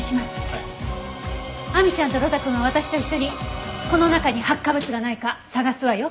亜美ちゃんと呂太くんは私と一緒にこの中に発火物がないか探すわよ。